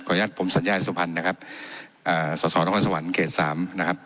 ขออนุญาตผมสัญญาณสุภัณฑ์นะครับอ่าส่อสวรรค์สวรรค์เกษตรสามนะครับ